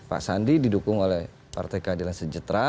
pak sandi didukung oleh partai keadilan sejahtera